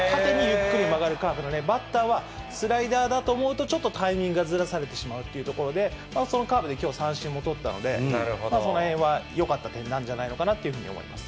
縦にゆっくり曲がるカーブの、バッターはスライダーだと思うと、ちょっとタイミングをずらされてしまっているというところで、そのカーブできょう三振も取ったので、そのへんはよかった点なんじゃないのかなと思います。